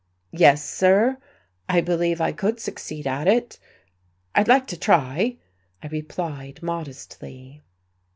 "Yes, sir, I believe I could succeed at it. I'd like to try," I replied modestly.